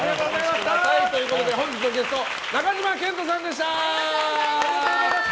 本日のゲスト中島健人さんでした。